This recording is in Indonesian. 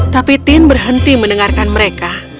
tapi tin berhenti mendengarkan mereka